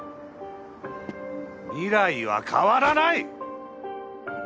未来は変わらない！